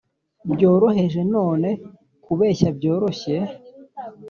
byoroheje, none kubeshya byoroshye